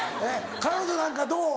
彼女なんかどう？